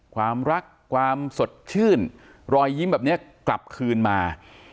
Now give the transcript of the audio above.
ความรักความสดชื่นรอยยิ้มแบบนี้กลับคืนมา